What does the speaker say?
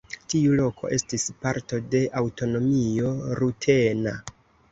Tiu loko estis parto de aŭtonomio rutena.